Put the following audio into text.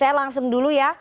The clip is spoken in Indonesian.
saya langsung dulu ya